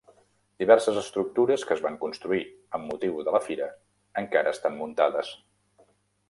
Diverses estructures que es van construir amb motiu de la fira encara estan muntades.